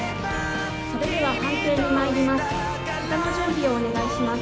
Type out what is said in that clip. それでは判定にまいります。